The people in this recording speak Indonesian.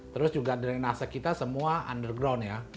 terus juga drainase kita semua underground ya